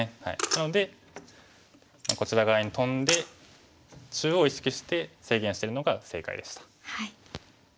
なのでこちら側にトンで中央を意識して制限してるのが正解でした。